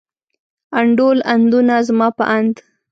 انډول، اندونه، زما په اند.